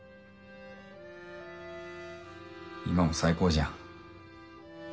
今も最高じゃん。